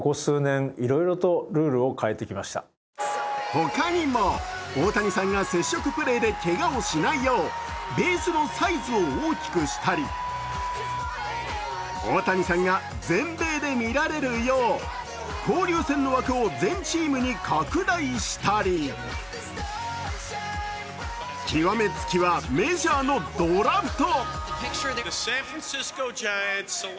他にも、大谷さんが接触プレーでけがをしないようベースのサイズを大きくしたり大谷さんが全米で見られるよう交流戦の枠を全チームに拡大したり極め付きはメジャーのドラフト。